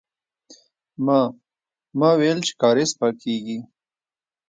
ما، ما ويل چې کارېز پاکيږي.